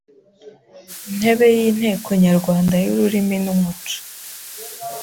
ntebe y’ Inteko Nyarwanda y’Ururimi n’Umuco